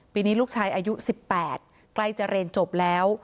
ปีนี้ลูกชายอายุ๑๘ใกล้จะเรียนจบแล้ว